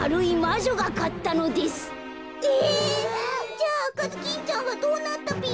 じゃああかずきんちゃんはどうなったぴよ？